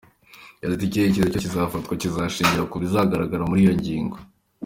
Yagize ati “Icyemezo cyose kizafatwa kizashingira ku bizagaragara muri iyo nyigo.